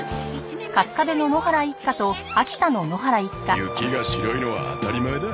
雪が白いのは当たり前だ。